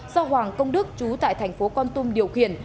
do hoàng công đức chú tại tp con tung điều khiển